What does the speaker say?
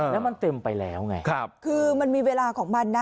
แล้วมันตึมไปแล้วไงคือมันมีเวลาของมันนะ